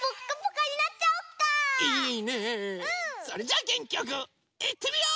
それじゃあげんきよくいってみよう！